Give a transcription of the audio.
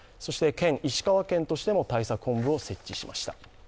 石川県としても対策本部を設置しました。